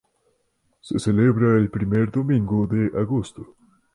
Se celebra el primer domingo de agosto.